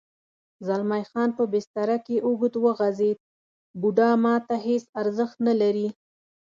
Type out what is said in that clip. زلمی خان په بستره کې اوږد وغځېد: بوډا ما ته هېڅ ارزښت نه لري.